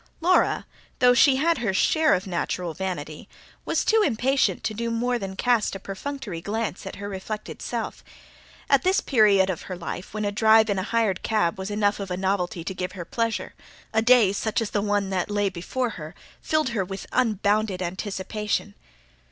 Laura, though she had her share of natural vanity, was too impatient to do more than cast a perfunctory glance at her reflected self. At this period of her life when a drive in a hired cab was enough of a novelty to give her pleasure, a day such as the one that lay before her filled her with unbounded anticipation.